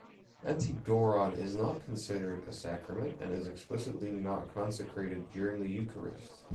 Antidoron is not considered a sacrament and is explicitly not consecrated during the Eucharist.